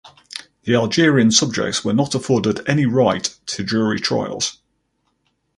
The Algerian "subjects" were not afforded any right to jury trials.